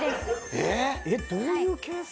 えっどういう計算？